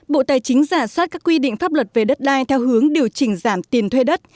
bộ tài chính giả soát các quy định pháp luật về đất đai theo hướng điều chỉnh giảm tiền thuê đất